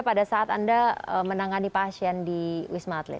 pada saat anda menangani pasien di wisma atlet